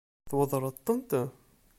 Tweddṛeḍ-tent?